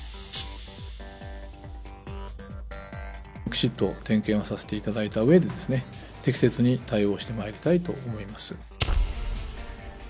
きちっと点検をさせていただいたうえで、適切に対応してまいりたいと思います。